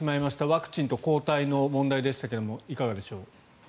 ワクチンと抗体の問題でしたがいかがでしょう。